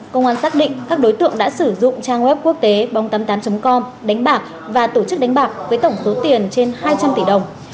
công an xác định các đối tượng đã sử dụng trang web quốc tế bóng tám mươi tám com đánh bạc và tổ chức đánh bạc với tổng số tiền trên hai trăm linh tỷ đồng